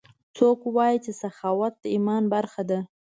څوک وایي چې سخاوت د ایمان برخه ده